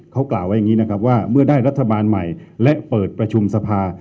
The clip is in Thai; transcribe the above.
เขากล่าวไว้อย่างนี้นะครับว่าเมื่อได้รัฐบาลใหม่และเปิดประชุมสภา